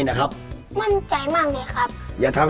หาร้องหน่อย